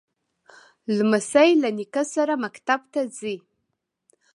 لمسی له نیکه سره مکتب ته ځي.